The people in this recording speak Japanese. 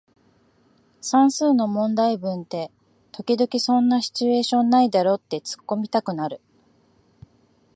算数の問題文って時々そんなシチュエーションないだろってツッコミたくなる